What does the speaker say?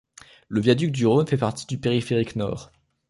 Le viaduc du Rhône fait partie du Périphérique Nord.